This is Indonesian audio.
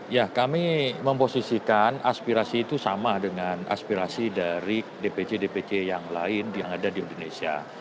ya kami memposisikan aspirasi itu sama dengan aspirasi dari dpc dpc yang lain yang ada di indonesia